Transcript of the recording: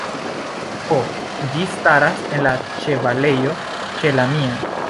Ho; ĝi staras en la ĉevalejo ĉe la mia.